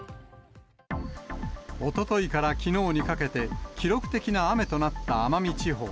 おとといからきのうにかけて、記録的な雨となった奄美地方。